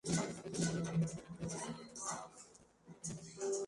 Hay dos teorías sobre el origen del alfabeto anglosajón.